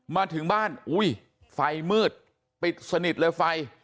มาถึงบ้านอุ้ยไฟมืดปิดสนิทเลยไฟ